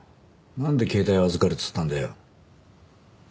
なんで携帯を預かるっつったんだよ？